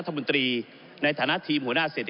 ก็ได้มีการอภิปรายในภาคของท่านประธานที่กรกครับ